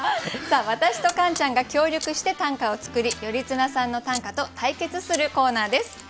さあ私とカンちゃんが協力して短歌を作り頼綱さんの短歌と対決するコーナーです。